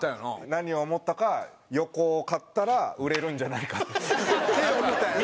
何を思ったか横を刈ったら売れるんじゃないかって。って思ったんやな。